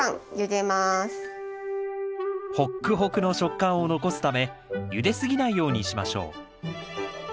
ホックホクの食感を残すためゆですぎないようにしましょう。